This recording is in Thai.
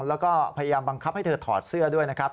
แล้วก็พยายามบังคับให้เธอถอดเสื้อด้วยนะครับ